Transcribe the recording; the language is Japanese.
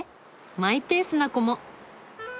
マイペースな子も。